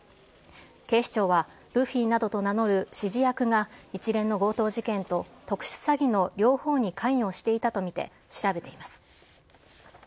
警視庁は、ルフィなどと名乗る指示役が一連の強盗事件と特殊詐欺の両方に関与していたと見て調べています。